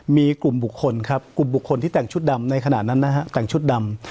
มีกลุ่มบุคคลที่แต่งชุดด้ำในขณะนั้นนะฮะ